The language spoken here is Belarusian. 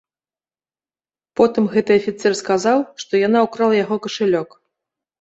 Потым гэты афіцэр сказаў, што яна ўкрала яго кашалёк.